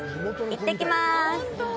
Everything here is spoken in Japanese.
行ってきます！